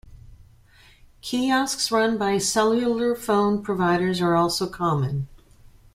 Kiosks run by cellular phone providers are also common.